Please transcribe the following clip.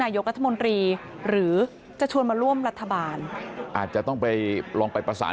นายกรัฐมนตรีหรือจะชวนมาร่วมรัฐบาลอาจจะต้องไปลองไปประสาน